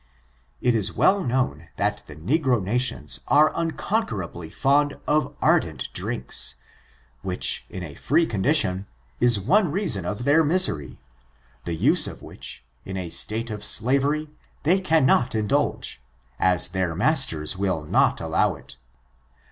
It is well known that the negro nations are un conquerably fond of ardent drinks, which, in a free condition, is one reason of their misery, the use of which, in a state of slavery, they cannot indulge, as their masters will not allow it.